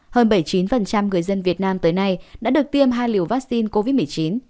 hơn bảy mươi chín người dân việt nam tới nay đã được tiêm hai liều vaccine covid một mươi chín